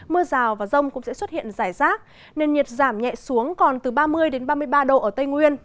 mưa rào và rông cũng sẽ xuất hiện rải rác nên nhiệt giảm nhẹ xuống còn từ ba mươi ba mươi ba độ ở tây nguyên